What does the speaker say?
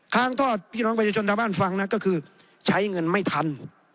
ค้างทอดพี่น้องประชาชนชาวบ้านฟังนะก็คือใช้เงินไม่ทัน